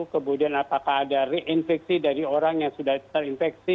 kemudian apakah ada reinfeksi dari orang yang sudah terinfeksi